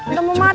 udah mau mati